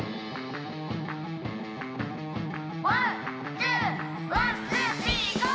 「ワンツーワンツースリーＧＯ！」